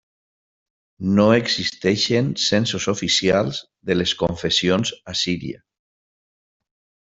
No existeixen censos oficials de les confessions a Síria.